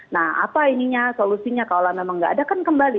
nah apa ininya solusinya kalau memang nggak ada kan kembali